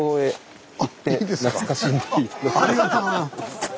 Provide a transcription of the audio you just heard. ありがとうございます。